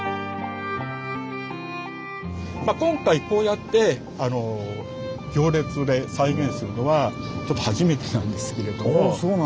まあ今回こうやって行列で再現するのは初めてなんですけれども。